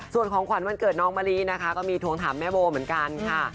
ส่วนของขวัญวันเกิดน้องมะลินะคะก็มีทวงถามแม่โบเหมือนกันค่ะ